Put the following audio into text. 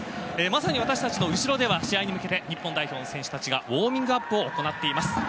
まさに私たちの後ろでは試合に向け日本代表の選手たちがウォーミングアップを行っています。